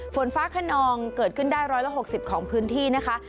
ฝนฟ้าขนองเกิดขึ้นได้๑๖๐ของพื้นที่นะคะ